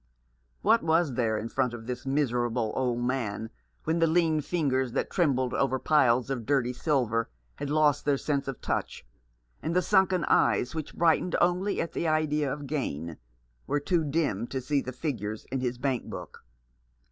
What was there in front of this miserable old man, when the lean fingers that trembled over piles of dirty silver had lost their sense of" touch, and the sunken eyes which brightened only at the idea of gain, were too dim to see the figures in his bank book